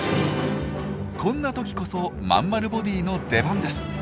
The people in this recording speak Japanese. こんな時こそまんまるボディーの出番です。